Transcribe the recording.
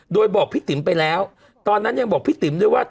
โดยบอกพี่ติ๋มไปแล้วตอนนั้นยังบอกพี่ติ๋มด้วยว่า